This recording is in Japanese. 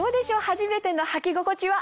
初めての履き心地は。